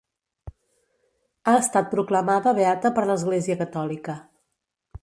Ha estat proclamada beata per l'Església catòlica.